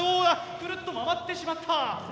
くるっと回ってしまった！